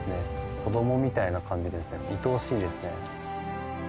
子どもみたいな感じですね、いとおしいですね。